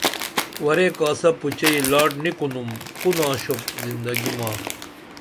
ورے کاسہ پوچئی لاٹ نی کُنُم کو ناشوپ زندگی ما